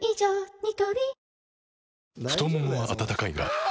ニトリ太ももは温かいがあ！